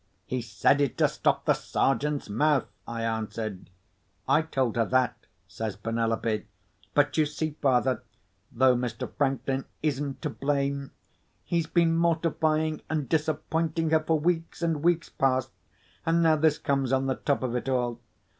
"He said it to stop the Sergeant's mouth," I answered. "I told her that," says Penelope. "But you see, father (though Mr. Franklin isn't to blame), he's been mortifying and disappointing her for weeks and weeks past; and now this comes on the top of it all!